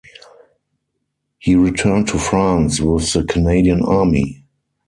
He returned to France with the Canadian Army.